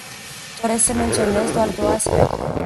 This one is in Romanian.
Doresc să menționez doar două aspecte.